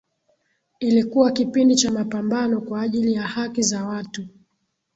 ilikuwa kipindi cha mapambano kwa ajili ya haki za watu